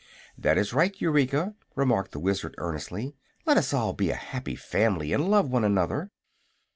"That is right, Eureka," remarked the Wizard, earnestly. "Let us all be a happy family and love one another."